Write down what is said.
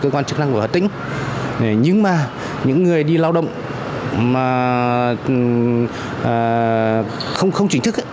cho cơ quan chức năng của hà tĩnh nhưng mà những người đi lao động không chính thức